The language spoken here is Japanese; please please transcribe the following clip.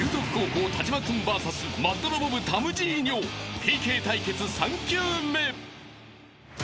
［ＰＫ対決３球目］